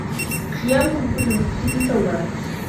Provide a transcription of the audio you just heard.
خِيَارُكُمْ كُلُّ مُفَتَّنٍ تَوَّابٍ